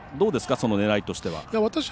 その狙いとしては。